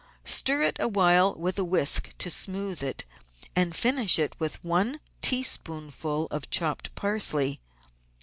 Stir it awhile with a whisk to smooth it, and finish with one teaspoonful of chopped parsley.